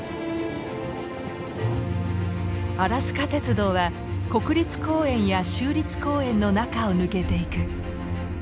アラスカ鉄道は国立公園や州立公園の中を抜けていく。